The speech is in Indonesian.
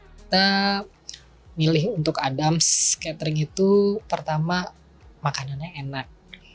kita milih untuk adams catering itu pertama makanannya enak